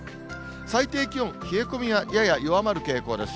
最低気温、冷え込みはやや弱まる傾向です。